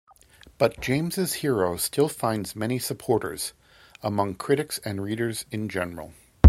But James' hero still finds many supporters, among critics and readers in general.